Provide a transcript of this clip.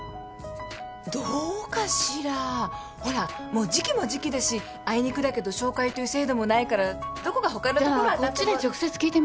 もう時期も時期だしあいにくだけど紹介という制度もないからどこかほかのところ当たって。